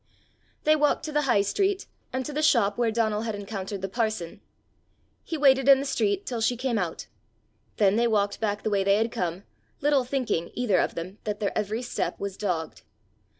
They walked to the High Street, and to the shop where Donal had encountered the parson. He waited in the street till she came out. Then they walked back the way they had come, little thinking, either of them, that their every step was dogged.